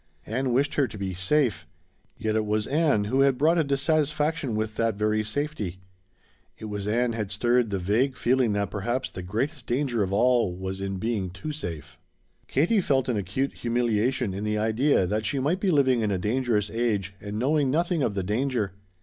Ann wished her to be 'safe'; yet it was Ann who had brought a dissatisfaction with that very safety. It was Ann had stirred the vague feeling that perhaps the greatest danger of all was in being too safe. Katie felt an acute humiliation in the idea that she might be living in a dangerous age and knowing nothing of the danger.